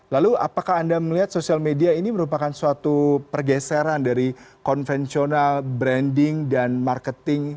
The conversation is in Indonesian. lalu apakah anda melihat sosial media ini merupakan suatu pergeseran dari konvensional branding dan marketing